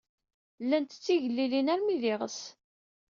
Llant d tigellilin armi d iɣes.